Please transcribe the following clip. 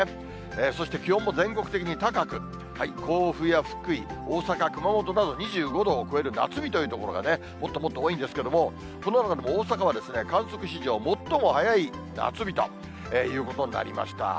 そして気温も全国的に高く、甲府や福井、大阪、熊本など、２５度を超える夏日という所がもっともっと多いんですけど、この中でも大阪は、観測史上最も早い夏日ということになりました。